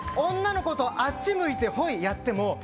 女の子とあっち向いてホイやっても